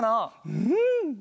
うん！